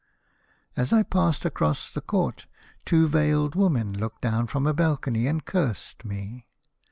" As I passed across the court two veiled women looked down from a balcony and cursed me.